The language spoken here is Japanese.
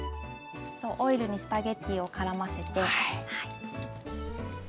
そうオイルにスパゲッティをからませて。